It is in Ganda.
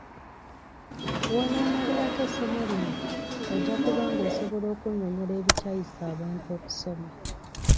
W'onaamalirako essomo lino ojja kuba ng'osobola okunnyonnyola ebikyayisa abantu okusoma.